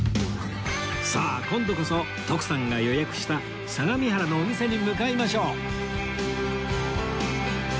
さあ今度こそ徳さんが予約した相模原のお店に向かいましょう！